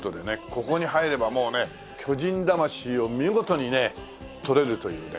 ここに入ればもうね巨人魂を見事にねとれるというね。